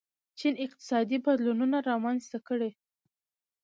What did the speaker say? چین اقتصادي بدلونونه رامنځته کړي.